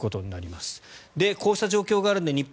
こうした状況があるので日本